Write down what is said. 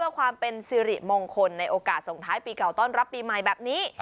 เพื่อความเป็นสิริมงคลในโอกาสส่งท้ายปีเก่าต้อนรับปีใหม่แบบนี้